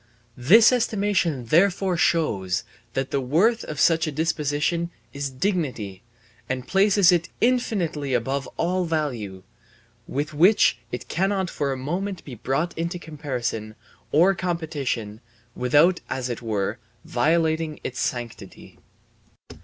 This estimation therefore shows that the worth of such a disposition is dignity, and places it infinitely above all value, with which it cannot for a moment be brought into comparison or competition without as it were violating its sanctity.